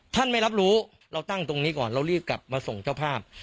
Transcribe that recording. ไม่รับรู้เราตั้งตรงนี้ก่อนเรารีบกลับมาส่งเจ้าภาพ